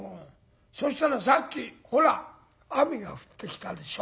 そしたらさっきほら雨が降ってきたでしょ？